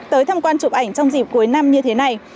tới tham quan chụp ảnh trong dịp cuối năm như thế này